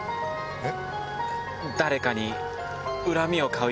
えっ？